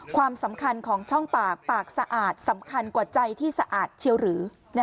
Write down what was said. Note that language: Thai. ความสำคัญของช่องปากปากสะอาดสำคัญกว่าใจที่สะอาดเชียวหรือ